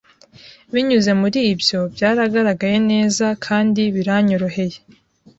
Binyuze muri byo byaragaragaye neza kandi biranyoroheye